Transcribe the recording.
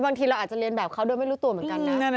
บางทีเราอาจจะเรียนแบบเขาโดยไม่รู้ตัวเหมือนกันนะ